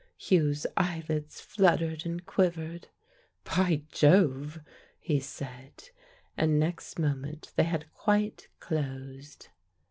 Hugh's eyelids fluttered and quivered. "By Jove!" he said, and next moment they had quite closed.